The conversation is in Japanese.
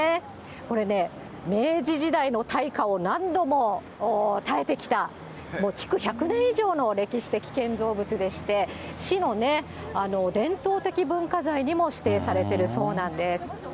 これね、明治時代の大火を何度も耐えてきた、築１００年以上の歴史的建造物でして、市のね、伝統的文化財にも指定されてるそうなんです。